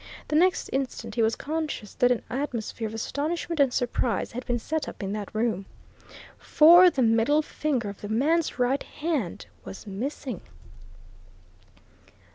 The next instant he was conscious that an atmosphere of astonishment and surprise had been set up in that room. For the middle finger of the man's right hand was missing!